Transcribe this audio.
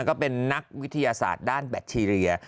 ก็เป็นนักวิทยาศาสตร์ด้านแบคทีเรีย